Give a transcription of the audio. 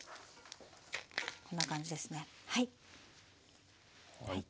こんな感じですねはい。